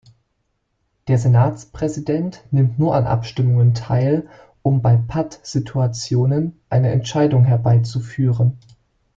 Der Senatspräsident nimmt nur an Abstimmungen teil, um bei Pattsituationen eine Entscheidung herbeizuführen.